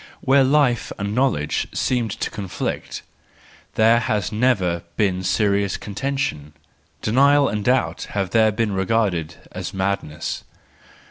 Where life and knowledge seemed to con¬ flict, there has never been serious contention; denial and doubt have there been regarded as madness.